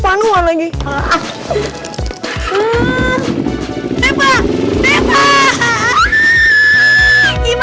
pake baju seragam gue